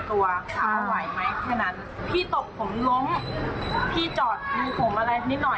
และอีกอย่างก็ผมต้องเดือดงาน